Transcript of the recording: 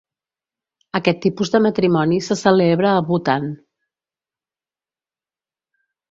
Aquest tipus de matrimoni se celebra a Bhutan.